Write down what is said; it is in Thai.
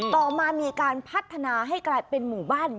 ต่อมามีการพัฒนาให้กลายเป็นหมู่บ้าน